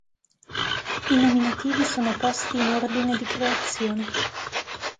I nominativi sono posti in ordine di creazione.